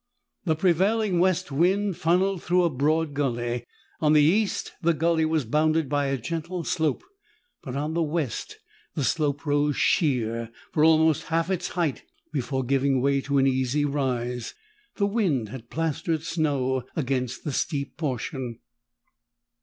The prevailing west wind funneled through a broad gulley. On the east, the gulley was bounded by a gentle slope. But on the west, the slope rose sheer for almost half its height before giving way to an easy rise. The wind had plastered snow against the steep portion.